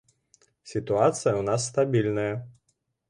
Сітуацыя ў нас стабільная.